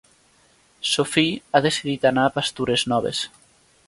Sophie ha decidit anar a pastures noves.